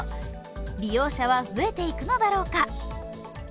利用者は増えていくのだろうか。